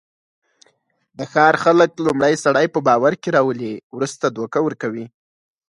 د ښار خلک لومړی سړی په باورکې راولي، ورسته دوکه ورکوي.